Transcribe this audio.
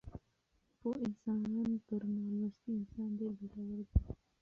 پوه انسان تر نالوستي انسان ډېر ګټور دی.